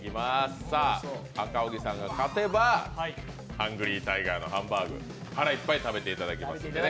赤荻さんが勝てばハングリータイガーのハンバーグ、腹いっぱい食べていただきますのでね。